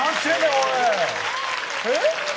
おい！